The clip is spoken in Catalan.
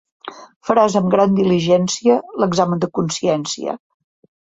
Faràs amb gran diligència l'examen de consciència.